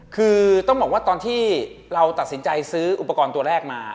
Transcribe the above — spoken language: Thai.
คือต้องบอกว่าตอนที่เราตัดสินใจซื้ออุปกรณ์ตัวแรกมา